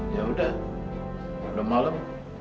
ya udah udah malam